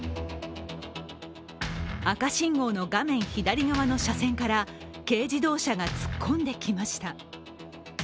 赤信号の画面左側の車線から軽自動車が突っ込んできました。